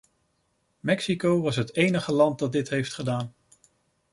Mexico was het enige land dat dit heeft gedaan.